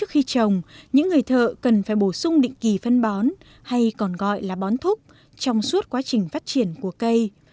khi trồng những người thợ cần phải bổ sung định kỳ phân bón hay còn gọi là bón thuốc trong suốt quá trình phát triển của cây